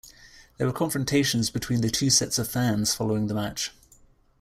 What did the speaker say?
There were confrontations between the two sets of fans following the match.